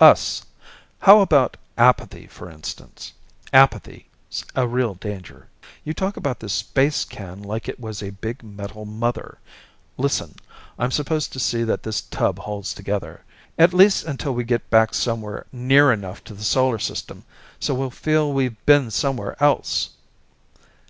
"Us. How about apathy for instance? Apathy's a real danger. You talk about this space can like it was a big metal mother! Listen, I'm supposed to see that this tub holds together. At least until we get back somewhere near enough to the Solar system so we'll feel we've been somewhere else!"